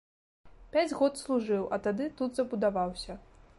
Пяць год служыў, а тады тут забудаваўся.